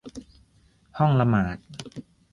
ห้องละหมาด